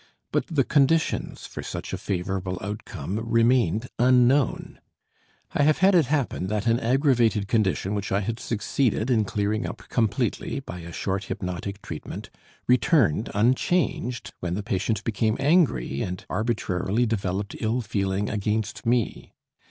But the conditions for such a favorable outcome remained unknown. I have had it happen that an aggravated condition which I had succeeded in clearing up completely by a short hypnotic treatment returned unchanged when the patient became angry and arbitrarily developed ill feeling against me.